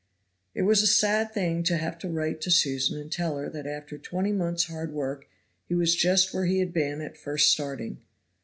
It was a sad thing to have to write to Susan and tell her that after twenty months' hard work he was just where he had been at first starting.